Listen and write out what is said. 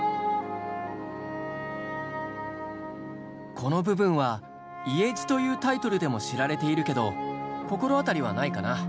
この部分は「家路」というタイトルでも知られているけど心当たりはないかな？